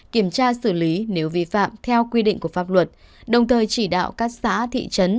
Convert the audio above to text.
kiểm tra xử lý nếu vi phạm theo quy định của pháp luật đồng thời chỉ đạo các xã thị trấn